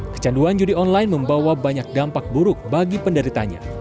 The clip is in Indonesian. kecanduan judi online membawa banyak dampak buruk bagi penderitanya